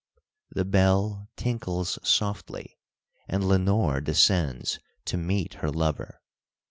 The bell tinkles softly, and Lenore descends to meet her lover.